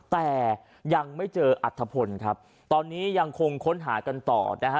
แต่ยังไม่เจออัฐพลครับตอนนี้ยังคงค้นหากันต่อนะฮะ